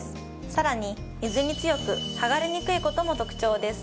さらに水に強くはがれにくいことも特徴です。